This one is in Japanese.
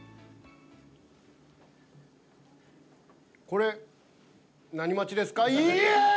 これ何待ちですか？